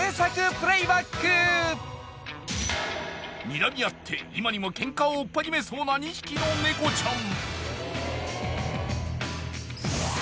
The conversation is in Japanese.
［にらみ合って今にもケンカをおっ始めそうな２匹の猫ちゃん］